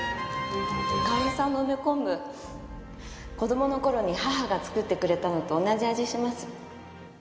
香織さんの梅昆布子供の頃に母が作ってくれたのと同じ味します。